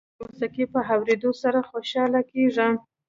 زه د موسیقۍ په اورېدو سره خوشحاله کېږم.